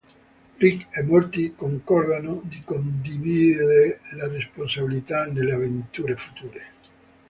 Rick e Morty concordano di condividere la responsabilità nelle avventure future.